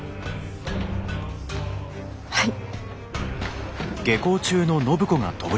はい。